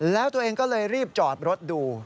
แล้วตัวเองก็เลยรีบจอดรถดู